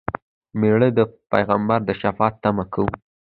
مړه ته د پیغمبر د شفاعت تمه کوو